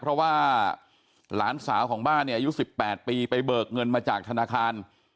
เพราะว่าหลานสาวของบ้านเนี่ยอายุ๑๘ปีไปเบิกเงินมาจากธนาคาร